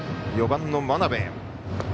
４番の真鍋。